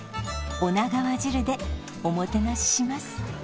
女川汁でおもてなしします